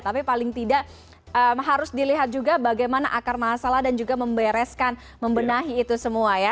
tapi paling tidak harus dilihat juga bagaimana akar masalah dan juga membereskan membenahi itu semua ya